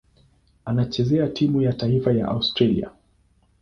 Anachezea timu ya taifa ya Australia.